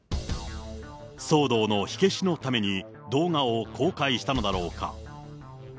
騒動の火消しのために、動画を公開したのだろうか。